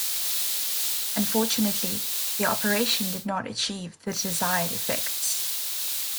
Unfortunately, the operation did not achieve the desired effects.